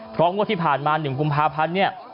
พร้อมว่าที่ผ่านมา๑กุมภาพันธุ์